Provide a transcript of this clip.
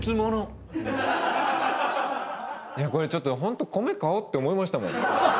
これちょっとホント米買おうって思いましたもん。